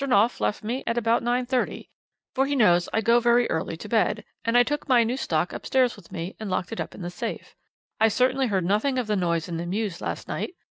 Knopf left me at about 9.30, for he knows I go very early to bed, and I took my new stock upstairs with me, and locked it up in the safe. I certainly heard nothing of the noise in the mews last night.